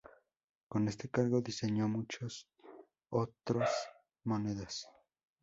Con este cargo diseñó muchas otras monedas.